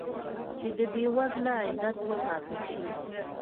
چې د بې وزله عزت وساتل شي.